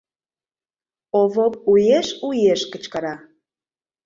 — Овоп уэш-уэш кычкыра.